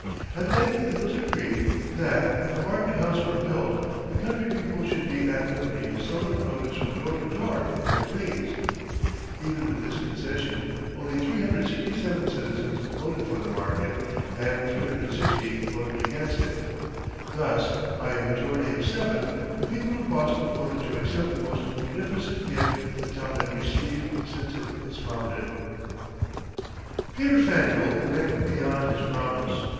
At length it was agreed that, if a market house were built, the country people should be at liberty to sell their produce from door to door if they pleased. Even with this concession, only 367 citizens voted for the market and 360 voted against it. Thus, by a majority of seven, the people of Boston voted to accept the most munificent gift the town had received since it was founded. Peter Faneuil went beyond his promise.